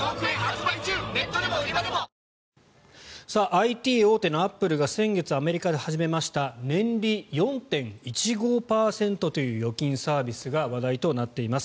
ＩＴ大手のアップルが先月アメリカで始めました年利４．１５％という預金サービスが話題となっています。